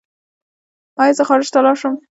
ایا زه خارج ته لاړ شم؟